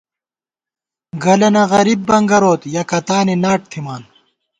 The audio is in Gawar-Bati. گلَنہ غریب بنگَروت ، یَکَتانی ناٹ تھِمان